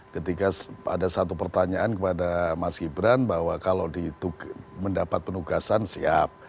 ketika ada satu pertanyaan kepada mas gibran bahwa kalau mendapat penugasan siap